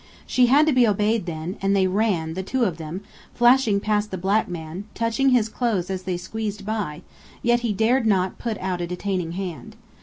She had to be obeyed then, and they ran, the two of them, flashing past the black man, touching his clothes as they squeezed by, yet he dared not put out a detaining hand.